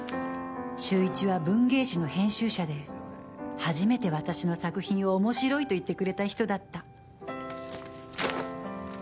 秀一は文芸誌の編集者で初めて私の作品を面白いと言ってくれた人だった。